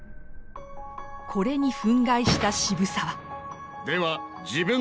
これに憤慨した渋沢。